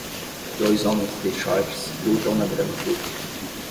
Dois homens de shorts lutam na grama curta.